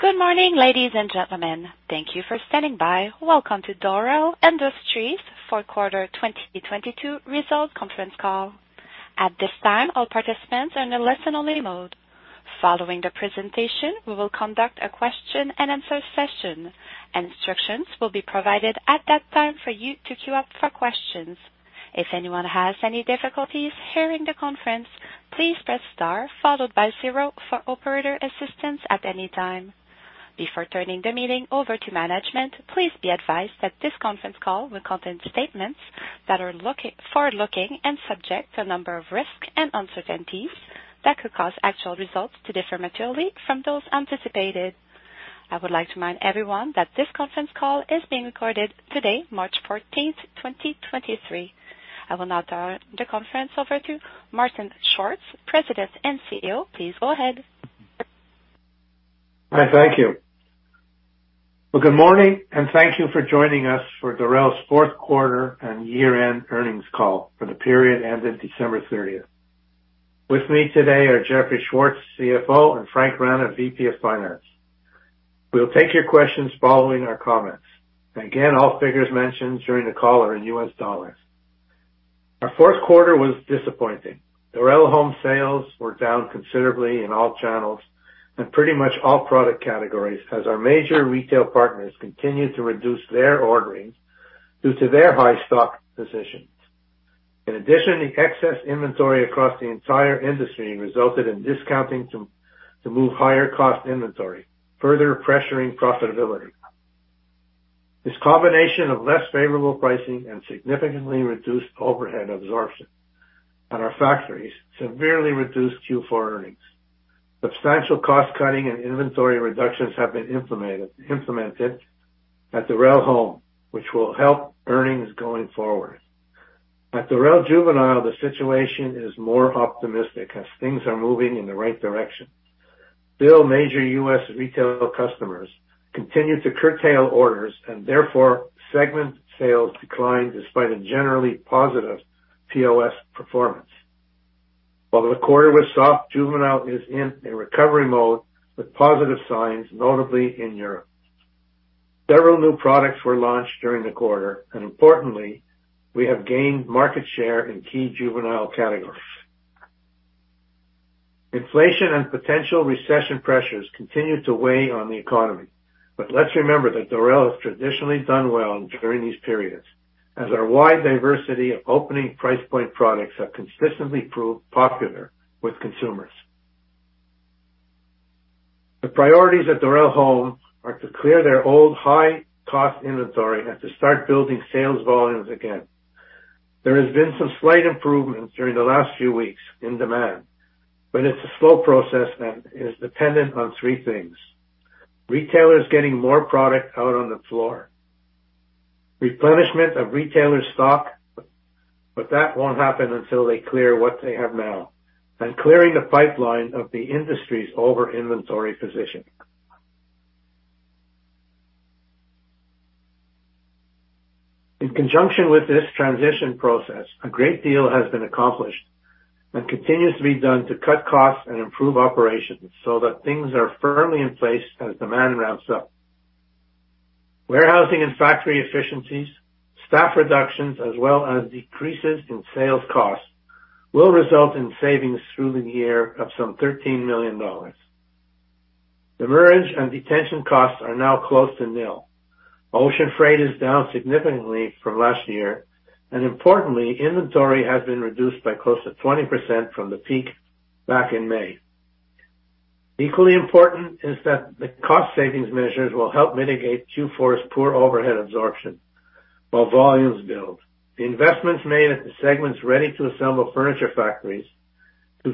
Good morning, ladies and gentlemen. Thank you for standing by. Welcome to Dorel Industries Q4 2022 result conference call. At this time, all participants are in a listen only mode. Following the presentation, we will conduct a question and answer session. Instructions will be provided at that time for you to queue up for questions. If anyone has any difficulties hearing the conference, please press star followed by zero for operator assistance at any time. Before turning the meeting over to management, please be advised that this conference call will contain statements that are forward-looking and subject to a number of risks and uncertainties that could cause actual results to differ materially from those anticipated. I would like to remind everyone that this conference call is being recorded today, March 14, 2023. I will now turn the conference over to Martin Schwartz, President and CEO. Please go ahead. Hi, thank you. Well, good morning, thank you for joining us for Dorel's fourth quarter and year-end earnings call for the period ending December 30th. With me today are Jeffrey Schwartz, CFO, and Frank Rana, VP of Finance. We'll take your questions following our comments. Again, all figures mentioned during the call are in US dollars. Our fourth quarter was disappointing. Dorel Home sales were down considerably in all channels and pretty much all product categories as our major retail partners continued to reduce their ordering due to their high stock positions. In addition, the excess inventory across the entire industry resulted in discounting to move higher cost inventory, further pressuring profitability. This combination of less favorable pricing and significantly reduced overhead absorption at our factories severely reduced Q4 earnings. Substantial cost-cutting and inventory reductions have been implemented at Dorel Home, which will help earnings going forward. At Dorel Juvenile, the situation is more optimistic as things are moving in the right direction. Major U.S. retail customers continued to curtail orders and therefore segment sales declined despite a generally positive POS performance. While the quarter was soft, Juvenile is in a recovery mode with positive signs, notably in Europe. Several new products were launched during the quarter, importantly, we have gained market share in key juvenile categories. Inflation and potential recession pressures continue to weigh on the economy, let's remember that Dorel has traditionally done well during these periods as our wide diversity of opening price point products have consistently proved popular with consumers. The priorities at Dorel Home are to clear their old high-cost inventory and to start building sales volumes again. There has been some slight improvements during the last few weeks in demand, but it's a slow process and is dependent on three things: retailers getting more product out on the floor, replenishment of retailers' stock, but that won't happen until they clear what they have now, and clearing the pipeline of the industry's over-inventory position. In conjunction with this transition process, a great deal has been accomplished and continues to be done to cut costs and improve operations so that things are firmly in place as demand ramps up. Warehousing and factory efficiencies, staff reductions, as well as decreases in sales costs, will result in savings through the year of some $13 million. Demurrage and detention costs are now close to nil. Ocean freight is down significantly from last year, and importantly, inventory has been reduced by close to 20% from the peak back in May. Equally important is that the cost savings measures will help mitigate Q4's poor overhead absorption while volumes build. The investments made at the segment's ready-to-assemble furniture factories to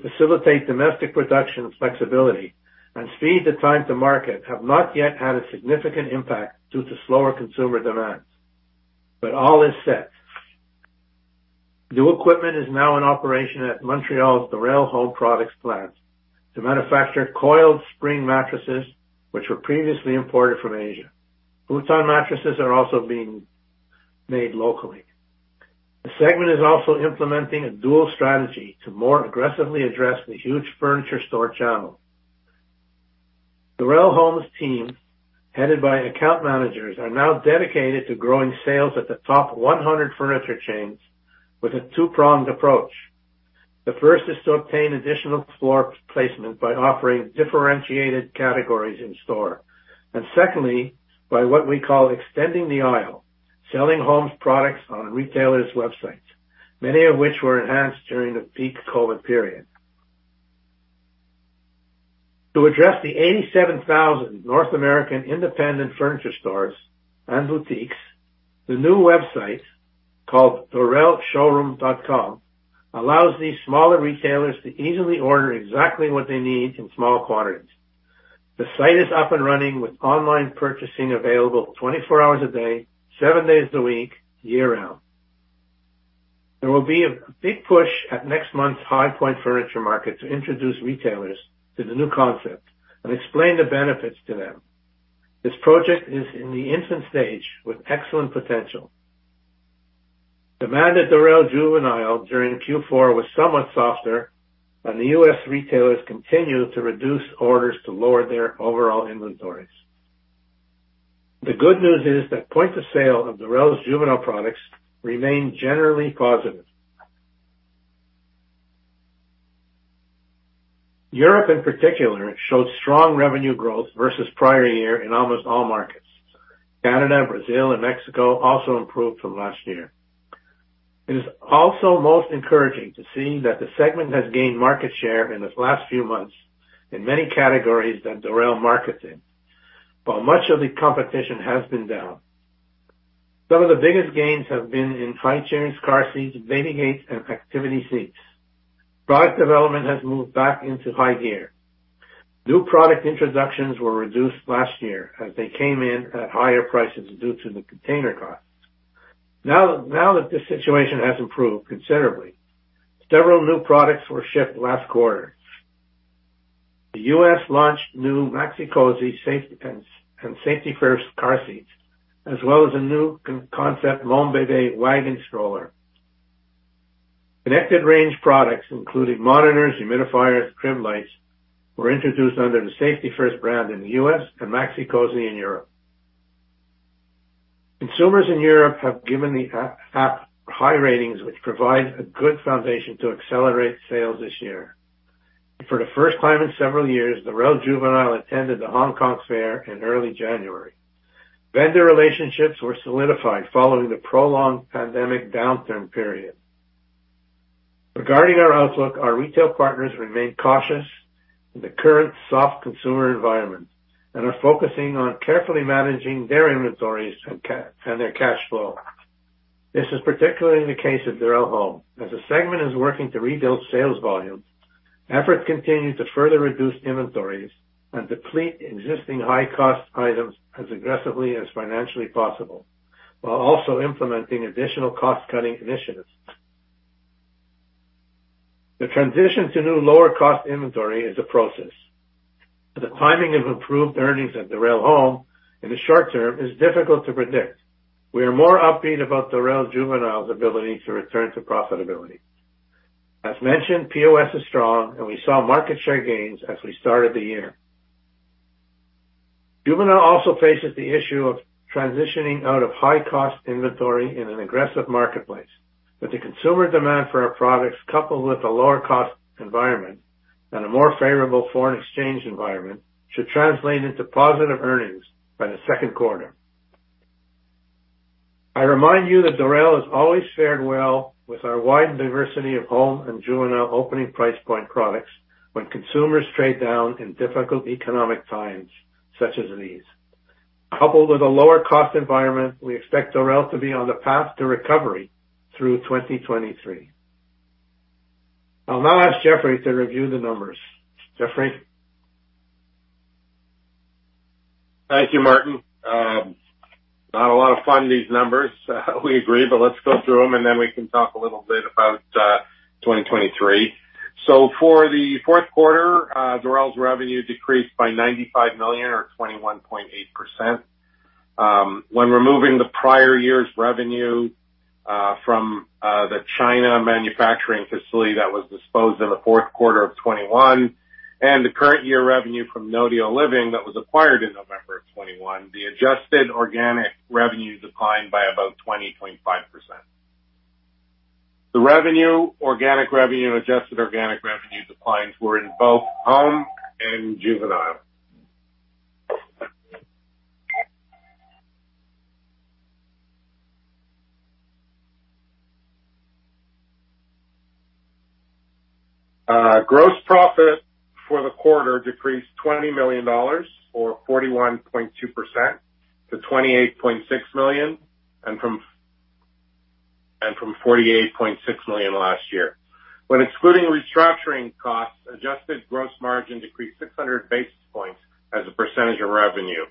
facilitate domestic production flexibility and speed to time to market have not yet had a significant impact due to slower consumer demands. All is set. New equipment is now in operation at Montreal's Dorel Home Products plant to manufacture coiled spring mattresses, which were previously imported from Asia. Futon mattresses are also being made locally. The segment is also implementing a dual strategy to more aggressively address the huge furniture store channel. Dorel Home's team, headed by account managers, are now dedicated to growing sales at the top 100 furniture chains with a two-pronged approach. The first is to obtain additional floor placement by offering differentiated categories in store. Secondly, by what we call extending the aisle, selling Dorel Home products on retailers' websites, many of which were enhanced during the peak COVID period. To address the 87,000 North American independent furniture stores and boutiques, the new website called DorelShowroom.com allows these smaller retailers to easily order exactly what they need in small quantities. The site is up and running with online purchasing available 24 hours a day, days a week, year-round. There will be a big push at next month's High Point Furniture Market to introduce retailers to the new concept and explain the benefits to them. This project is in the infant stage with excellent potential. Demand at Dorel Juvenile during Q4 was somewhat softer. The U.S. retailers continued to reduce orders to lower their overall inventories. The good news is that POS of Dorel Juvenile products remain generally positive. Europe in particular showed strong revenue growth versus prior year in almost all markets. Canada, Brazil, and Mexico also improved from last year. It is also most encouraging to see that the segment has gained market share in the last few months in many categories that Dorel markets in, while much of the competition has been down. Some of the biggest gains have been in high chairs, car seats, baby gates, and activity seats. Product development has moved back into high gear. New product introductions were reduced last year as they came in at higher prices due to the container costs. Now that the situation has improved considerably, several new products were shipped last quarter. The U.S. launched new Maxi-Cosi playpens and Safety 1st car seats, as well as a new concept Monbebe wagon stroller. Connected range products, including monitors, humidifiers, crib lights, were introduced under the Safety 1st brand in the U.S. and Maxi-Cosi in Europe. Consumers in Europe have given the app high ratings, which provides a good foundation to accelerate sales this year. For the first time in several years, Dorel Juvenile attended the Hong Kong Fair in early January. Vendor relationships were solidified following the prolonged pandemic downturn period. Regarding our outlook, our retail partners remain cautious in the current soft consumer environment and are focusing on carefully managing their inventories and their cash flow. This is particularly the case at Dorel Home. As the segment is working to rebuild sales volume, efforts continue to further reduce inventories and deplete existing high-cost items as aggressively as financially possible, while also implementing additional cost-cutting initiatives. The transition to new lower-cost inventory is a process. The timing of improved earnings at Dorel Home in the short term is difficult to predict. We are more upbeat about Dorel Juvenile's ability to return to profitability. As mentioned, POS is strong, and we saw market share gains as we started the year. The consumer demand for our products, coupled with a lower-cost environment and a more favorable foreign exchange environment, should translate into positive earnings by the second quarter. I remind you that Dorel has always fared well with our wide diversity of home and juvenile opening price point products when consumers trade down in difficult economic times such as these. Coupled with a lower-cost environment, we expect Dorel to be on the path to recovery through 2023. I'll now ask Jeffrey to review the numbers. Jeffrey? Thank you, Martin. Not a lot of fun, these numbers, we agree, but let's go through them, and then we can talk a little bit about 2023. For the fourth quarter, Dorel's revenue decreased by $95 million or 21.8%. When removing the prior year's revenue, from, the China manufacturing facility that was disposed in the fourth quarter of 2021 and the current year revenue from Notio Living that was acquired in November of 2021, the adjusted organic revenue declined by about 20.5%. The revenue, organic revenue, and adjusted organic revenue declines were in both home and juvenile. Gross profit for the quarter decreased $20 million or 41.2% to $28.6 million, and from $48.6 million last year. When excluding restructuring costs, adjusted gross margin decreased 600 basis points as a percentage of revenue.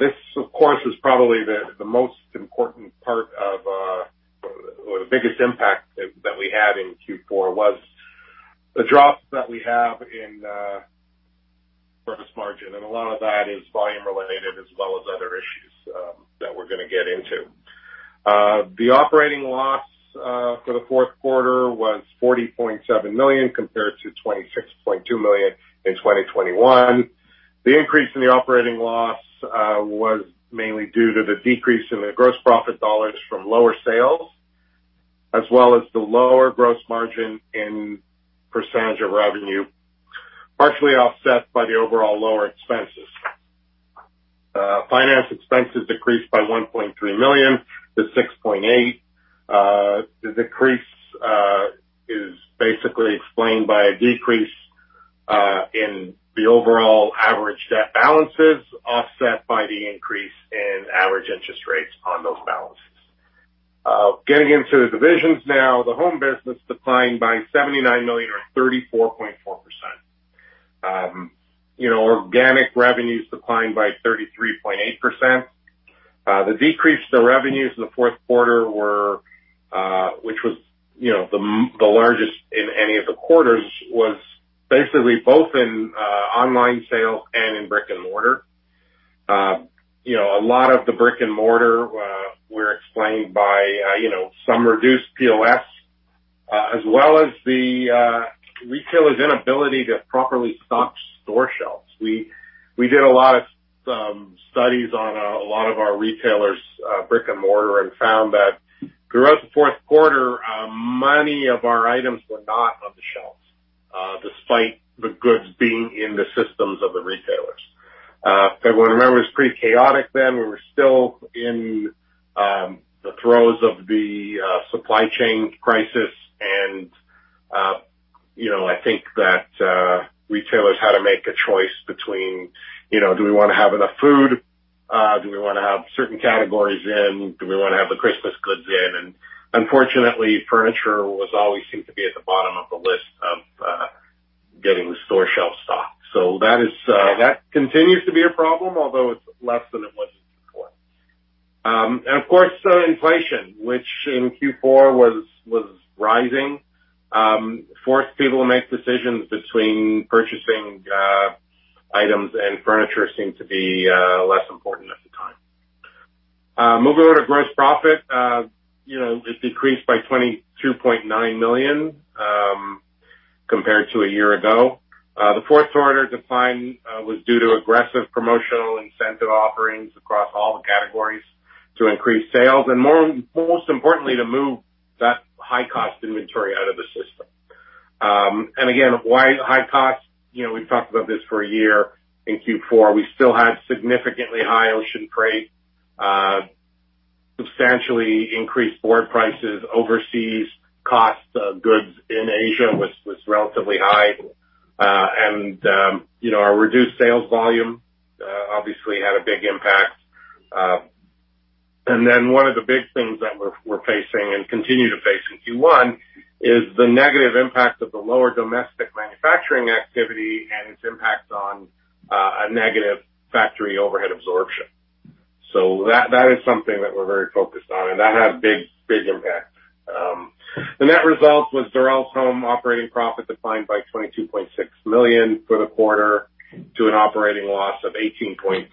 This, of course, is probably the most important part of, or the biggest impact that we had in Q4 was the drop that we have in gross margin. A lot of that is volume related as well as other issues that we're gonna get into. The operating loss for the fourth quarter was $40.7 million compared to $26.2 million in 2021. The increase in the operating loss was mainly due to the decrease in the gross profit dollars from lower sales as well as the lower gross margin in percentage of revenue, partially offset by the overall lower expenses. Finance expenses decreased by $1.3 million to $6.8 million. The decrease is basically explained by a decrease in the overall average debt balances, offset by the increase in average interest rates on those balances. Getting into the divisions now, the Dorel Home declined by $79 million or 34.4%. You know, organic revenues declined by 33.8%. The decrease to revenues in the Q4 were, which was, you know, the largest in any of the quarters, was basically both in online sales and in brick-and-mortar. You know, a lot of the brick-and-mortar were explained by, you know, some reduced POS, as well as the retailer's inability to properly stock store shelves. We did a lot of studies on a lot of our retailers', brick-and-mortar and found that throughout the fourth quarter, many of our items were not on the shelves, despite the goods being in the systems of the retailers. Everyone remembers it was pretty chaotic then. We were still in the throes of the supply chain crisis and, you know, I think that retailers had to make a choice between, you know, do we wanna have enough food? Do we wanna have certain categories in? Do we wanna have the Christmas goods in? Unfortunately, furniture was always seemed to be at the bottom of the list of getting the store shelves stocked. That is, that continues to be a problem, although it's less than it was before. Of course, inflation, which in Q4 was rising, forced people to make decisions between purchasing items, and furniture seemed to be less important at the time. Moving on to gross profit. You know, it decreased by $22.9 million compared to a year ago. The fourth quarter decline was due to aggressive promotional incentive offerings across all the categories to increase sales, most importantly, to move that high-cost inventory out of the system. Again, why high cost? You know, we've talked about this for a year. In Q4, we still had significantly high ocean freight, substantially increased board prices, overseas costs of goods in Asia was relatively high. You know, our reduced sales volume obviously had a big impact. One of the big things that we're facing and continue to face in Q1 is the negative impact of the lower domestic manufacturing activity and its impacts on a negative factory overhead absorption. That is something that we're very focused on, and that had big impacts. The net result was Dorel Home operating profit declined by $22.6 million for the quarter to an operating loss of $18.3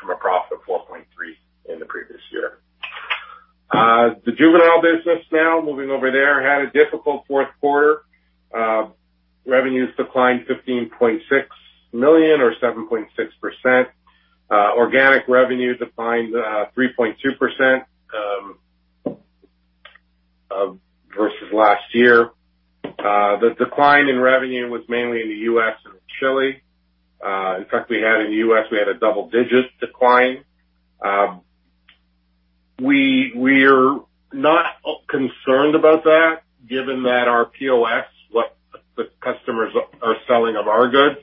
from a profit of $4.3 in the previous year. The Dorel Juvenile business now, moving over there, had a difficult fourth quarter. Revenues declined $15.6 million or 7.6%. Organic revenue declined 3.2% versus last year. The decline in revenue was mainly in the US and Chile. In fact, we had, in the U.S., we had a double-digit decline. We're not concerned about that, given that our POS, what the customers are selling of our goods,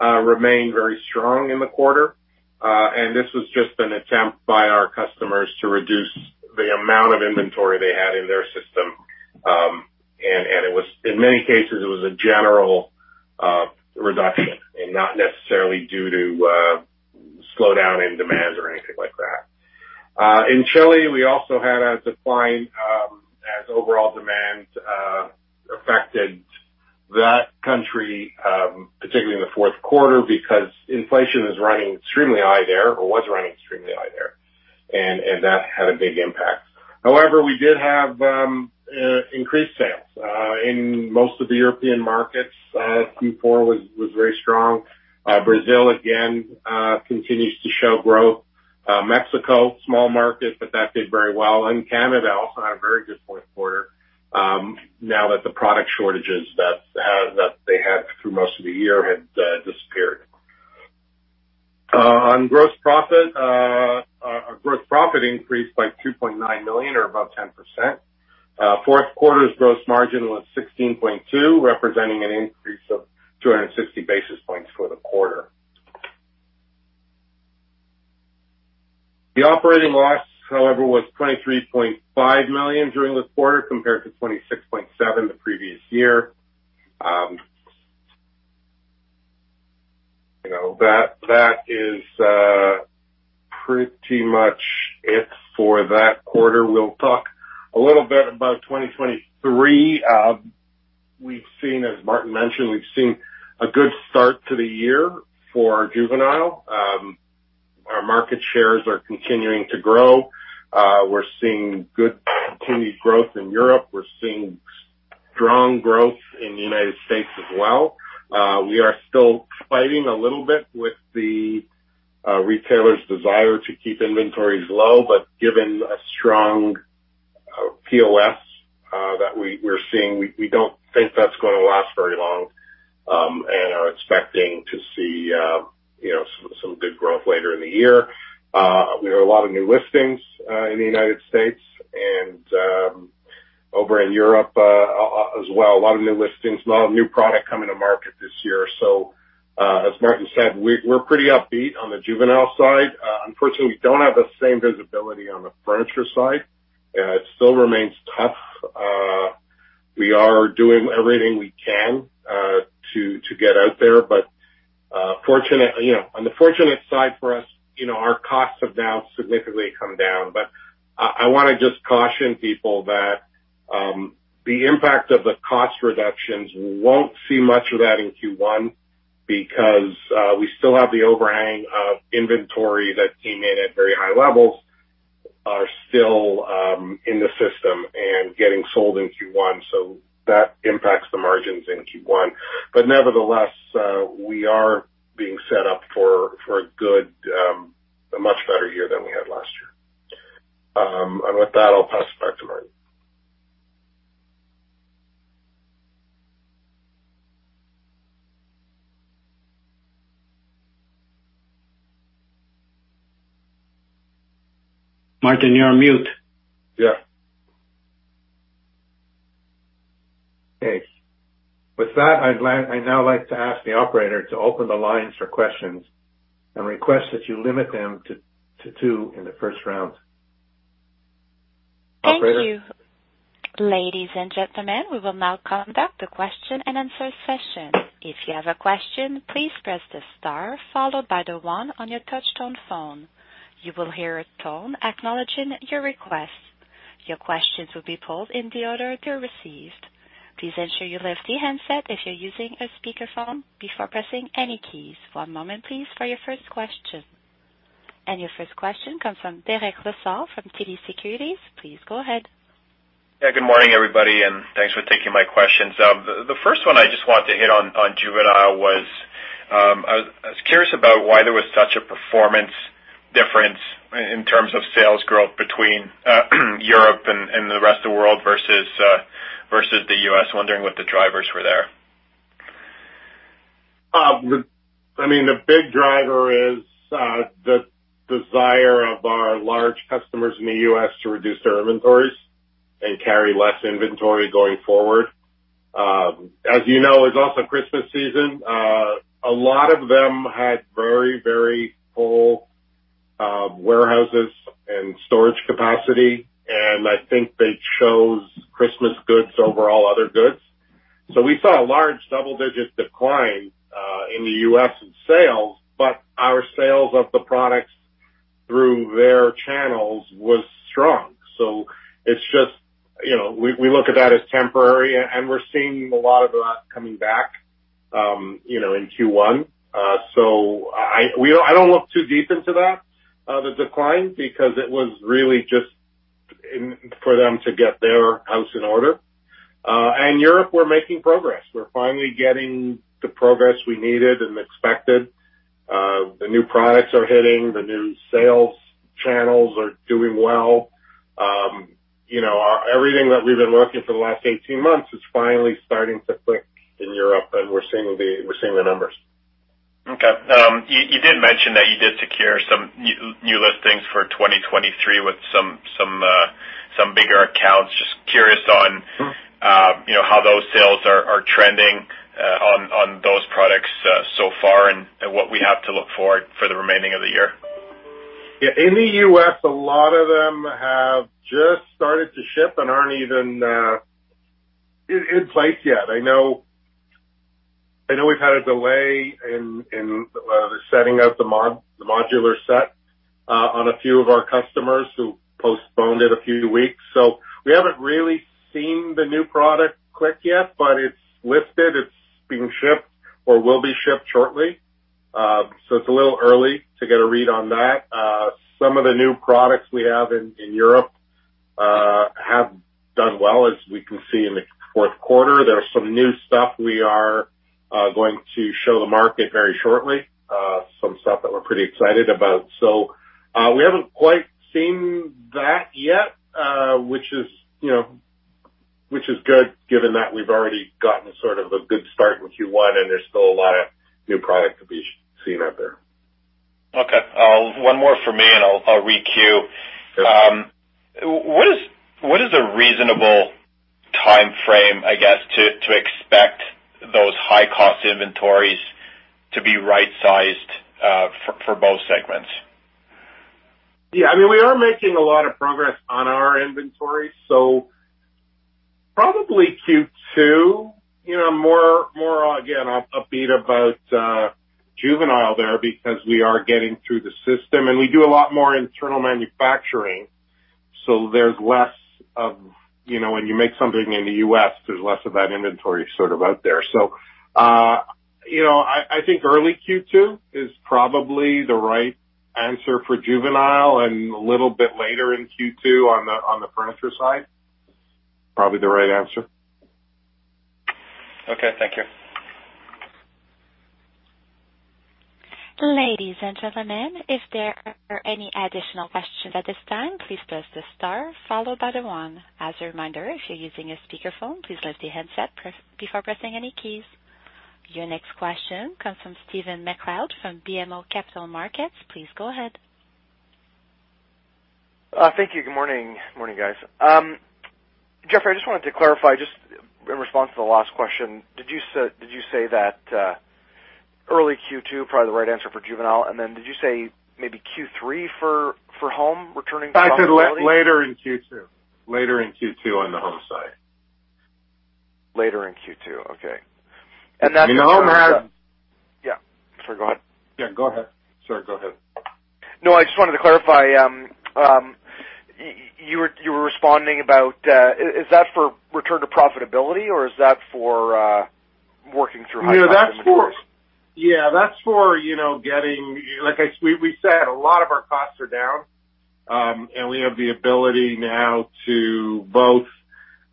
remained very strong in the quarter. This was just an attempt by our customers to reduce the amount of inventory they had in their system. It was in many cases, it was a general reduction and not necessarily due to slowdown in demand or anything like that. In Chile, we also had a decline as overall demand affected that country, particularly in the fourth quarter because inflation is running extremely high there or was running extremely high there, and that had a big impact. However, we did have increased sales in most of the European markets, Q4 was very strong. Brazil, again, continues to show growth. Mexico, small market, that did very well. Canada also had a very good fourth quarter, now that the product shortages that they had through most of the year had disappeared. On gross profit. Our gross profit increased by $2.9 million or about 10%. Fourth quarter's gross margin was 16.2%, representing an increase of 260 basis points for the quarter. The operating loss, however, was $23.5 million during the quarter, compared to $26.7 million the previous year. You know, that is pretty much it for that quarter. We'll talk a little bit about 2023. We've seen, as Martin mentioned, we've seen a good start to the year for our Juvenile. Our market shares are continuing to grow. We're seeing good continued growth in Europe. We're seeing strong growth in the United States as well. We are still fighting a little bit with the retailers' desire to keep inventories low, but given a strong POS that we're seeing, we don't think that's gonna last very long, and are expecting to see, you know, some good growth later in the year. We have a lot of new listings in the United States and over in Europe as well, a lot of new listings, a lot of new product coming to market this year. As Martin said, we're pretty upbeat on the Juvenile side. Unfortunately, we don't have the same visibility on the Furniture side. It still remains tough. We are doing everything we can to get out there, but, you know, on the fortunate side for us, you know, our costs have now significantly come down. I wanna just caution people that. The impact of the cost reductions won't see much of that in Q1 because we still have the overhang of inventory that came in at very high levels are still in the system and getting sold in Q1, so that impacts the margins in Q1. Nevertheless, we are being set up for a good, a much better year than we had last year. With that, I'll pass it back to Martin. Martin, you're on mute. Yeah. Okay. With that, I now like to ask the operator to open the lines for questions and request that you limit them to two in the first round. Operator? Thank you. Ladies and gentlemen, we will now conduct the question and answer session. If you have a question, please press the star followed by the one on your touchtone phone. You will hear a tone acknowledging your request. Your questions will be pulled in the order they're received. Please ensure you lift the handset if you're using a speakerphone before pressing any keys. One moment please for your first question. Your first question comes from Derek Lessard from TD Securities. Please go ahead. Yeah, good morning, everybody, and thanks for taking my questions. The first one I just want to hit on Juvenile was, I was curious about why there was such a performance difference in terms of sales growth between Europe and the rest of the world versus the U.S? Wondering what the drivers were there. I mean, the big driver is the desire of our large customers in the US to reduce their inventories and carry less inventory going forward. As you know, it's also Christmas season. A lot of them had very, very full warehouses and storage capacity, and I think they chose Christmas goods over all other goods. We saw a large double-digit decline in the US in sales, but our sales of the products through their channels was strong. It's just, you know, we look at that as temporary, and we're seeing a lot of that coming back, you know, in Q1. I don't look too deep into that, the decline, because it was really just for them to get their house in order. Europe, we're making progress. We're finally getting the progress we needed and expected. The new products are hitting. The new sales channels are doing well. You know, everything that we've been working for the last 18 months is finally starting to click in Europe, and we're seeing the numbers. Okay. you did mention that you did secure some new listings for 2023 with some bigger accounts. Just curious. Mm-hmm. You know, how those sales are trending on those products, so far and what we have to look for for the remaining of the year? Yeah. In the U.S., a lot of them have just started to ship and aren't even in place yet. I know we've had a delay in the setting up the modular set on a few of our customers who postponed it a few weeks. We haven't really seen the new product click yet, but it's listed, it's being shipped or will be shipped shortly. It's a little early to get a read on that. Some of the new products we have in Europe have done well as we can see in the fourth quarter. There are some new stuff we are going to show the market very shortly, some stuff that we're pretty excited about. We haven't quite seen that yet, which is, you know, which is good given that we've already gotten sort of a good start in Q1, and there's still a lot of new product to be seen out there. Okay. one more for me, and I'll re-queue. Sure. What is a reasonable timeframe, I guess, to expect those high-cost inventories to be right-sized, for both segments? I mean, we are making a lot of progress on our inventory, so probably Q2. You know, more again, upbeat about Juvenile there because we are getting through the system, and we do a lot more internal manufacturing. There's less. You know, when you make something in the U.S., there's less of that inventory sort of out there. You know, I think early Q2 is probably the right answer for Juvenile and a little bit later in Q2 on the furniture side. Probably the right answer. Okay. Thank you. Ladies and gentlemen, if there are any additional questions at this time, please press the star followed by the one. As a reminder, if you're using a speakerphone, please lift the headset before pressing any keys. Your next question comes from Stephen MacLeod from BMO Capital Markets. Please go ahead. Thank you. Good morning. Morning, guys. Jeffrey, I just wanted to clarify, just in response to the last question. Did you say that, early Q2, probably the right answer for Juvenile? Did you say maybe Q3 for Home returning to... I said later in Q2. Later in Q2 on the home side. Later in Q2. Okay. That... You know. Yeah, go ahead. Sorry, go ahead. No, I just wanted to clarify, you were responding about, is that for return to profitability or is that for working through high costs? No, that's for. Yeah, that's for, you know, getting. Like we said, a lot of our costs are down, and we have the ability now to both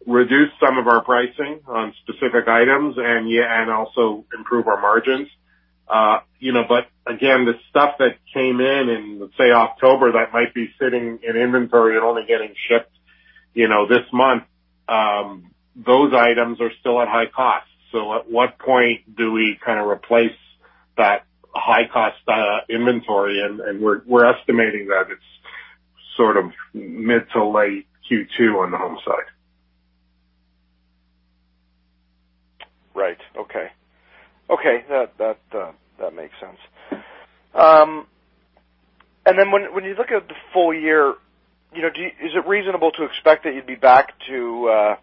reduce some of our pricing on specific items and yeah, and also improve our margins. You know, but again, the stuff that came in let's say October, that might be sitting in inventory and only getting shipped, you know, this month, those items are still at high cost. At what point do we kinda replace that high cost inventory? And we're estimating that it's sort of mid to late Q2 on the home side. Right. Okay. Okay. That makes sense. When, when you look at the full year, you know, is it reasonable to expect that you'd be back to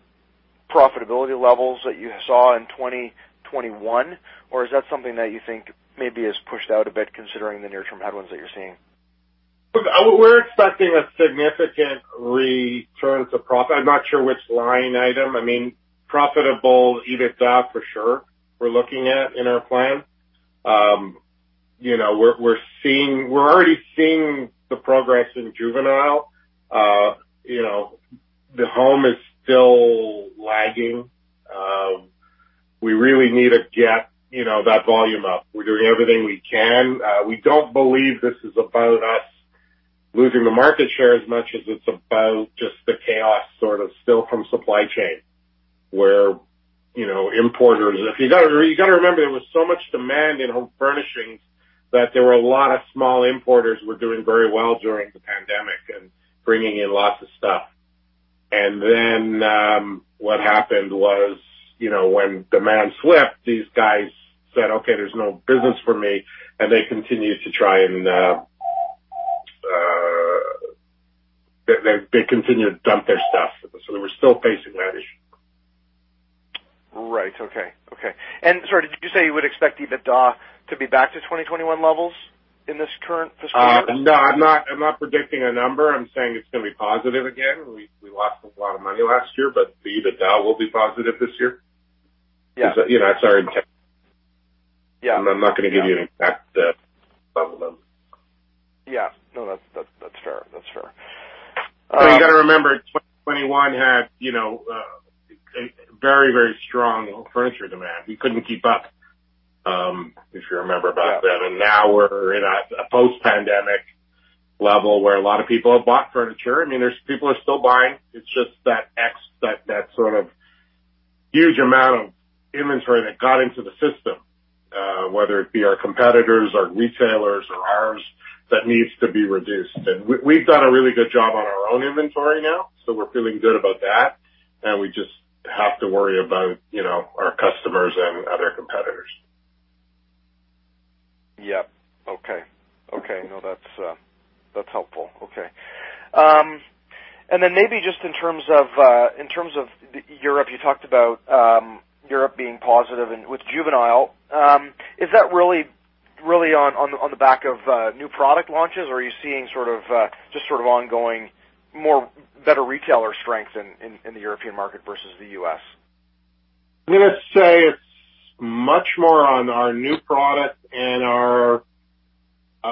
profitability levels that you saw in 2021? Or is that something that you think maybe is pushed out a bit considering the near-term headwinds that you're seeing? We're expecting a significant return to profit. I'm not sure which line item. I mean, profitable EBITDA for sure, we're looking at in our plan. You know, we're already seeing the progress in juvenile. You know, the home is still lagging. We really need to get, you know, that volume up. We're doing everything we can. We don't believe this is about us losing the market share as much as it's about just the chaos sort of still from supply chain where, you know, importers. If you gotta remember, there was so much demand in home furnishings that there were a lot of small importers were doing very well during the pandemic and bringing in lots of stuff. What happened was, you know, when demand slipped, these guys said, "Okay, there's no business for me." They continued to dump their stuff. We're still facing that issue. Right. Okay. Okay. Sorry, did you say you would expect EBITDA to be back to 2021 levels in this current fiscal year? No, I'm not predicting a number. I'm saying it's gonna be positive again. We lost a lot of money last year. The EBITDA will be positive this year. Yeah. You know, sorry, I'm kinda-. Yeah. I'm not gonna give you an exact level then. Yeah. No, that's fair. That's fair. You gotta remember, 2021 had, you know, a very, very strong furniture demand. We couldn't keep up, if you remember back then. Yeah. Now we're in a post-pandemic level where a lot of people have bought furniture. I mean, people are still buying. It's just that sort of huge amount of inventory that got into the system, whether it be our competitors or retailers or ours, that needs to be reduced. We've done a really good job on our own inventory now, so we're feeling good about that. We just have to worry about, you know, our customers and other competitors. Yeah. Okay. Okay. No, that's helpful. Okay. Then maybe just in terms of Europe, you talked about Europe being positive and with juvenile, is that really on the back of new product launches, or are you seeing sort of just sort of ongoing, more better retailer strength in the European market versus the U.S.? I'm gonna say it's much more on our new products.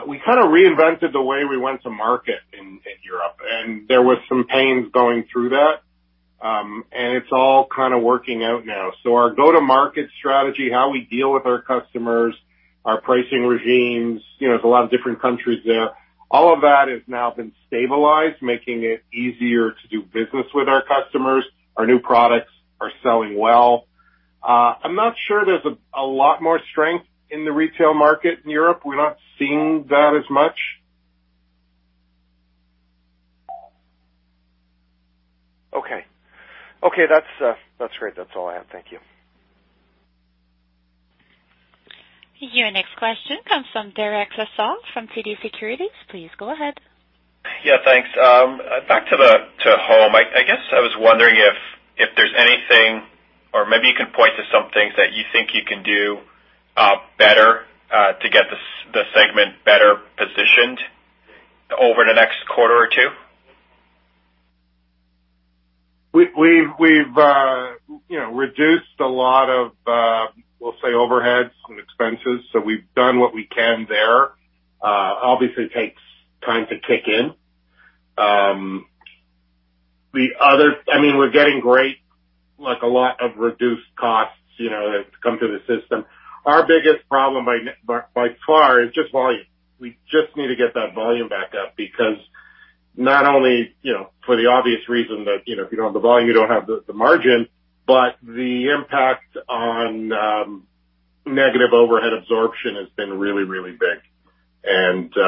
We kinda reinvented the way we went to market in Europe, and there was some pains going through that. It's all kinda working out now. Our go-to-market strategy, how we deal with our customers, our pricing regimes, you know, there's a lot of different countries there. All of that has now been stabilized, making it easier to do business with our customers. Our new products are selling well. I'm not sure there's a lot more strength in the retail market in Europe. We're not seeing that as much. Okay. Okay, that's great. That's all I have. Thank you. Your next question comes from Derek Lessard from TD Securities. Please go ahead. Yeah, thanks. Back to home. I guess I was wondering if there's anything, or maybe you can point to some things that you think you can do better to get the segment better positioned over the next quarter or two. We've, you know, reduced a lot of, we'll say overheads and expenses, so we've done what we can there. Obviously takes time to kick in. I mean, we're getting great, like a lot of reduced costs, you know, that come through the system. Our biggest problem by far is just volume. We just need to get that volume back up because not only, you know, for the obvious reason that, you know, if you don't have the volume, you don't have the margin, but the impact on negative overhead absorption has been really, really big.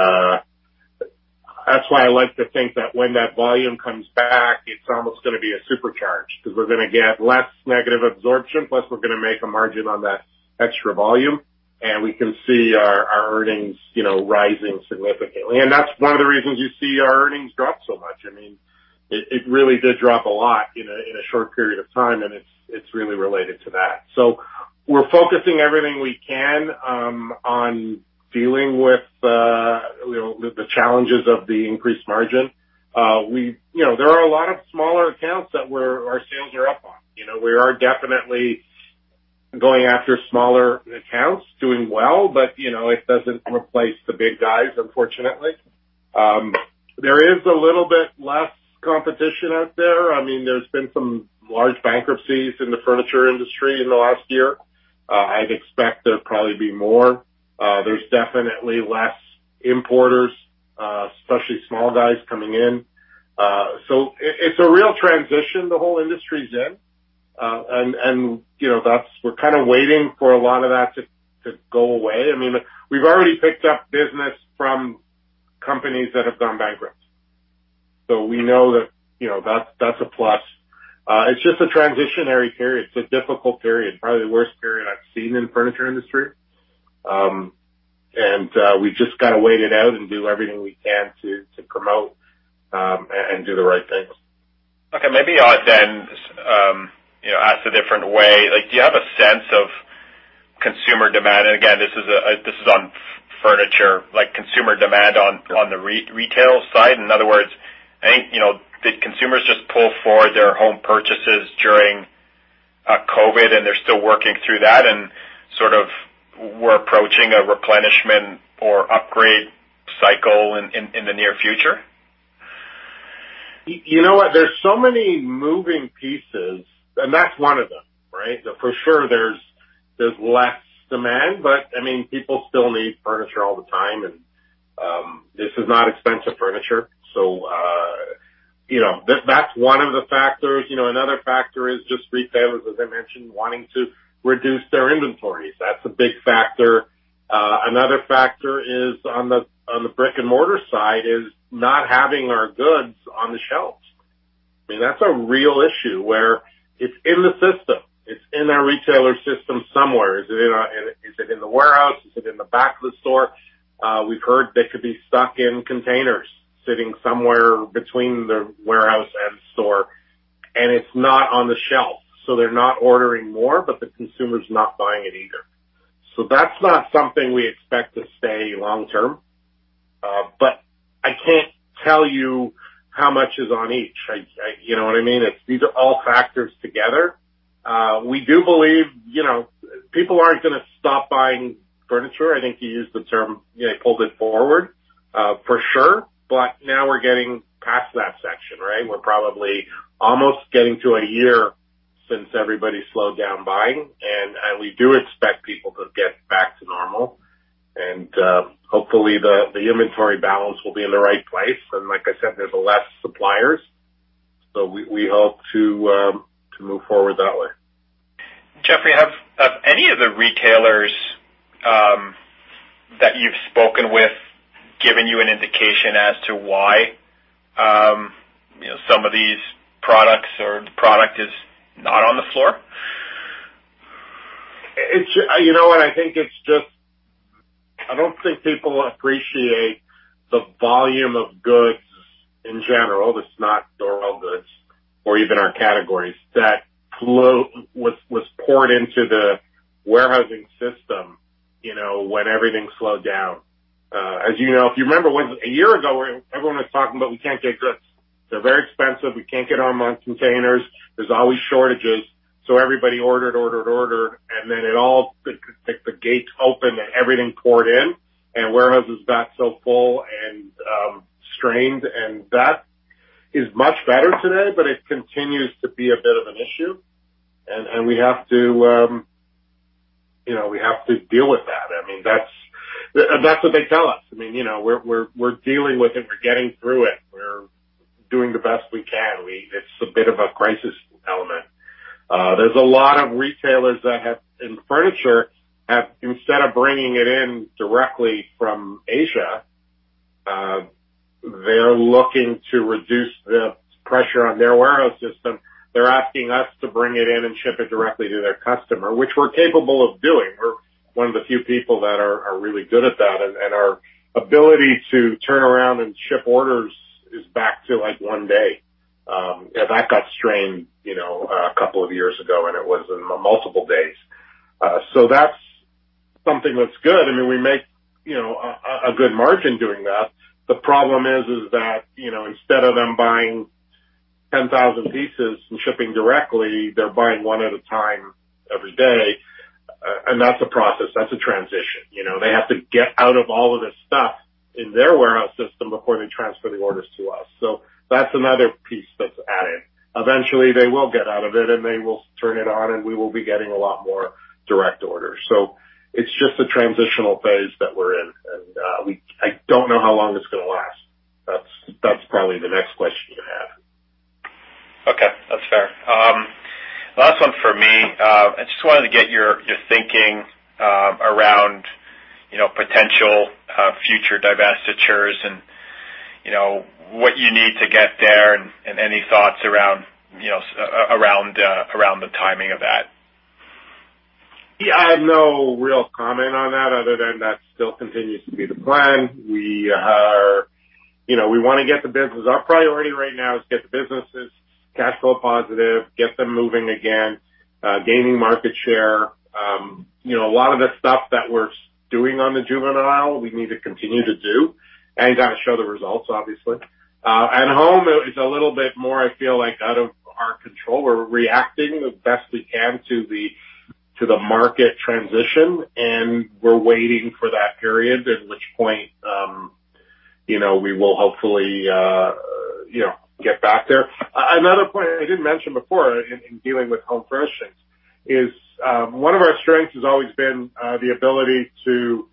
That's why I like to think that when that volume comes back, it's almost gonna be a supercharge, 'cause we're gonna get less negative absorption, plus we're gonna make a margin on that extra volume, and we can see our earnings, you know, rising significantly. That's one of the reasons you see our earnings drop so much. I mean, it really did drop a lot in a short period of time, and it's really related to that. We're focusing everything we can on dealing with, you know, the challenges of the increased margin. You know, there are a lot of smaller accounts that our sales are up on. You know, we are definitely going after smaller accounts, doing well, but, you know, it doesn't replace the big guys, unfortunately. There is a little bit less competition out there. I mean, there's been some large bankruptcies in the furniture industry in the last year. I'd expect there'd probably be more. There's definitely less importers, especially small guys coming in. It's a real transition the whole industry's in. You know, we're kinda waiting for a lot of that to go away. I mean, we've already picked up business from companies that have gone bankrupt. We know that, you know, that's a plus. It's just a transitionary period. It's a difficult period, probably the worst period I've seen in the furniture industry. We just gotta wait it out and do everything we can to promote and do the right things. Maybe I'll then, you know, ask a different way. Like, do you have a sense of consumer demand? Again, this is, this is on furniture, like consumer demand on the retail side. In other words, any, you know, did consumers just pull forward their home purchases during COVID, and they're still working through that and sort of we're approaching a replenishment or upgrade cycle in the near future? You know what? There's so many moving pieces, and that's one of them, right? For sure there's less demand, I mean, people still need furniture all the time, and, this is not expensive furniture. You know, that's one of the factors. You know, another factor is just retailers, as I mentioned, wanting to reduce their inventories. That's a big factor. Another factor is on the brick and mortar side, is not having our goods on the shelves. I mean, that's a real issue where it's in the system. It's in our retailer system somewhere. Is it in the warehouse? Is it in the back of the store? We've heard they could be stuck in containers sitting somewhere between the warehouse and store. And it's not on the shelf, so they're not ordering more, but the consumer's not buying it either. That's not something we expect to stay long term. I can't tell you how much is on each. You know what I mean? These are all factors together. We do believe, you know, people aren't gonna stop buying furniture. I think you used the term, you know, pulled it forward. For sure, now we're getting past that section, right? We're probably almost getting to a year since everybody slowed down buying, we do expect people to get back to normal. Hopefully the inventory balance will be in the right place. Like I said, there's less suppliers. We, we hope to move forward that way. Jeffrey, have any of the retailers that you've spoken with given you an indication as to why, you know, some of these products or the product is not on the floor? It's, you know what? I think it's just I don't think people appreciate the volume of goods in general, it's not Dorel goods or even our categories, that was poured into the warehousing system, you know, when everything slowed down. As you know, if you remember a year ago, when everyone was talking about we can't get goods. They're very expensive. We can't get them on containers. There's always shortages. Everybody ordered, ordered, and then it all, like the gates opened, and everything poured in and warehouses got so full and strained. That is much better today, but it continues to be a bit of an issue, and we have to, you know, we have to deal with that. I mean, that's what they tell us. I mean, you know, we're dealing with it. We're getting through it. We're doing the best we can. It's a bit of a crisis element. There's a lot of retailers that in furniture have, instead of bringing it in directly from Asia, they're looking to reduce the pressure on their warehouse system. They're asking us to bring it in and ship it directly to their customer, which we're capable of doing. We're one of the few people that are really good at that, and our ability to turn around and ship orders is back to, like, one day. That got strained, you know, a couple of years ago, and it was in multiple days. That's something that's good. I mean, we make, you know, a good margin doing that. The problem is that, you know, instead of them buying 10,000 pieces and shipping directly, they're buying one at a time every day. That's a process. That's a transition. You know, they have to get out of all of this stuff in their warehouse system before they transfer the orders to us. That's another piece that's added. Eventually, they will get out of it, and they will turn it on, and we will be getting a lot more direct orders. It's just a transitional phase that we're in. I don't know how long it's gonna last. That's probably the next question you have. Okay. That's fair. Last one for me. I just wanted to get your thinking, around, you know, potential, future divestitures and, you know, what you need to get there and any thoughts around, you know, around the timing of that? I have no real comment on that other than that still continues to be the plan. You know, we wanna get the business. Our priority right now is get the businesses cash flow positive, get them moving again, gaining market share. You know, a lot of the stuff that we're doing on the Juvenile, we need to continue to do and gotta show the results, obviously. At Home is a little bit more, I feel like, out of our control. We're reacting the best we can to the market transition, we're waiting for that period, at which point, you know, we will hopefully, you know, get back there. Another point I didn't mention before in dealing with home furnishings is one of our strengths has always been the ability to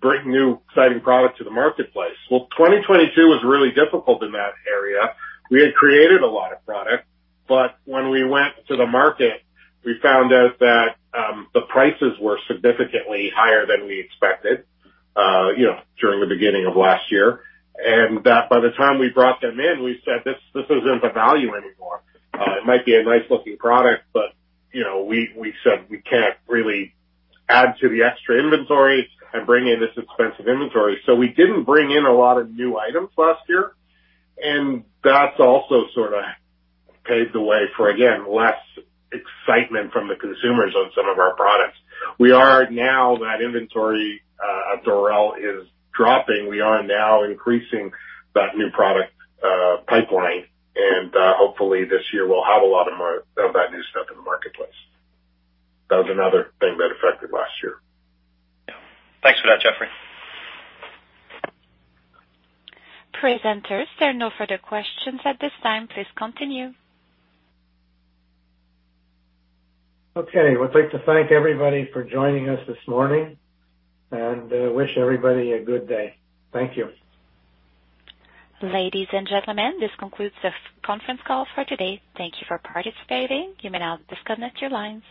bring new exciting products to the marketplace. Well, 2022 was really difficult in that area. We had created a lot of product, but when we went to the market, we found out that the prices were significantly higher than we expected, you know, during the beginning of last year. That by the time we brought them in, we said, "This isn't the value anymore." It might be a nice-looking product, but, you know, we said, "We can't really add to the extra inventory and bring in this expensive inventory." We didn't bring in a lot of new items last year, and that's also sorta paved the way for, again, less excitement from the consumers on some of our products. We are now, that inventory at Dorel is dropping. We are now increasing that new product pipeline and hopefully this year we'll have a lot of more of that new stuff in the marketplace. That was another thing that affected last year. Thanks for that, Jeffrey. Presenters, there are no further questions at this time. Please continue. Okay. We'd like to thank everybody for joining us this morning and wish everybody a good day. Thank you. Ladies and gentlemen, this concludes the conference call for today. Thank you for participating. You may now disconnect your lines.